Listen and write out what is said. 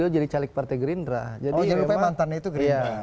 jadi rupanya mantannya itu gerinda